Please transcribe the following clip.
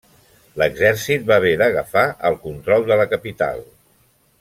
L'exèrcit va haver d'agafar el control de la capital.